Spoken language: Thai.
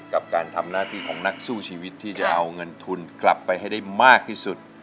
กับการทำหน้าที่ของนักสู้ชีวิตที่จะเอาเงินทุนกลับไปให้ได้มากที่สุด